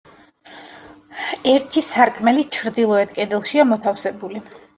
ერთი სარკმელი ჩრდილოეთ კედელშია მოთავსებული.